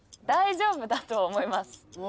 大丈夫だと思います。